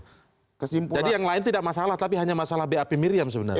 jadi yang lain tidak masalah tapi hanya masalah bap miriam sebenarnya